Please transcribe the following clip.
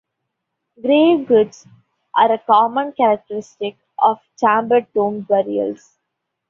Grave goods are a common characteristic of chamber tomb burials.